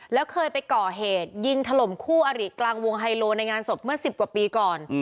แล้วเคยไปก่อเหตุยิงถล่มคู่อริกลางวงไฮโลในงานศพเมื่อ๑๐กว่าปีก่อน